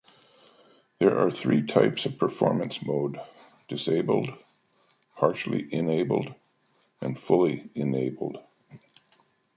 There are three types of Performance Mode: Disabled, Partially enabled, and fully Enabled.